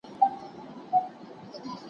ستاسو چمتوالی ستاسو پایله ټاکي.